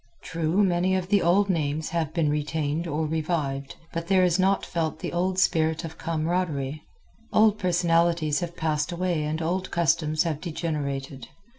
True, many of the old names have been retained or revived, but there is not felt the old spirit of camaraderie. Old personalities have passed away and old customs have degenerated.